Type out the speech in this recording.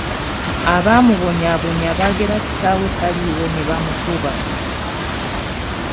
Abaamubonyaabonya baagera kitaawe taliiwo ne bamukuba.